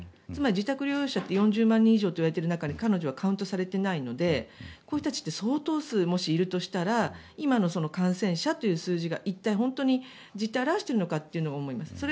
つまり自宅療養者４０万人以上といわれている中で彼女はカウントされていないのでこういう人たちって相当数いるとしたら今の感染者という数字が実態を表しているのかと思います。